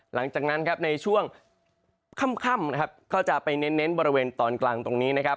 หลังจากนั้นในช่วงค่ำก็จะไปเน้นบริเวณตอนกลางตรงนี้